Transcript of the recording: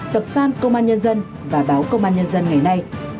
tập san công an nhân dân và báo công an nhân dân ngày nay